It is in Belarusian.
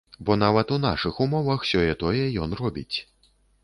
Бо нават у нашых умовах сёе-тое ён робіць.